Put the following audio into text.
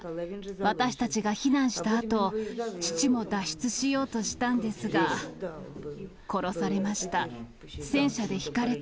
私たちが避難したあと、父も脱出しようとしたんですが、殺されました。